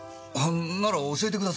なら教えてくださいよ。